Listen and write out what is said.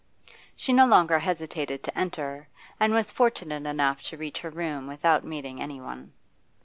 She no longer hesitated to enter, and was fortunate enough to reach her room without meeting any one.